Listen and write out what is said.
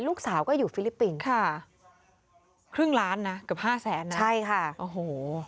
ลูกสาวก็อยู่ฟิลิปปิงค่ะค่ะครึ่งล้านนะกับ๕๐๐๐๐๐นะโอ้โฮ